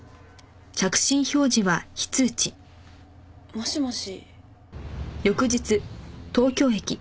もしもし。